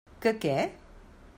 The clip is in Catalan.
Que què?